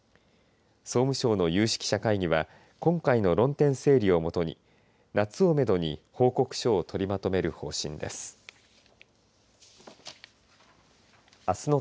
総務省の有識者会議は今回の論点整理を基に夏をめどに報告書を取りまとめる方針です。